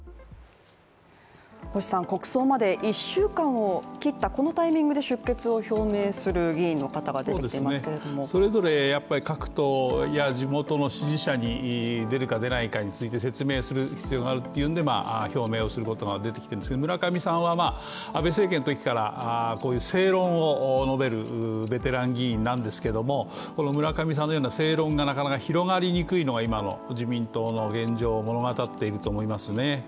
国葬まで１週間を切ったこのタイミングで出欠を表明する議員の方が出てきていますけどそれぞれやっぱり各党や地元の支持者に出るか出ないかについて説明する必要があるというので表明をする方が出てきているんですけど、村上さんは、安倍政権のときから正論を述べるベテラン議員なんですけども村上さんのような正論がなかなか広がりにくいのが今の自民党の現状を物語っていると思いますね